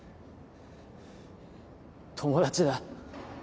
友達だ。